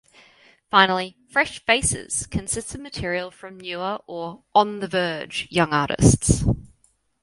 Finally, "Fresh Faces" consists of material from newer or 'on the verge' young artists.